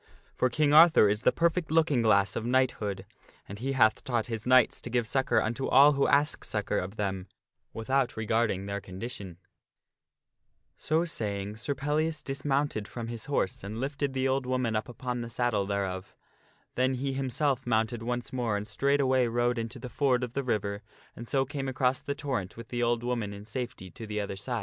For King Arthur is the perfect looking glass of knighthood, and he hath taught his knights to give succor unto all who ask succor of them, without regarding their condition. So saying Sir ries the ^u '*' Pellias dismounted from his horse and lifted the old woman woman across U p upon the saddle thereof. Then he himself mounted once more and straightway rode into the ford of the river and so came across the torrent with the old woman in safety to the other side.